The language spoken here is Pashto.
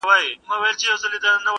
خپل سر پخپله نه خريل کېږي.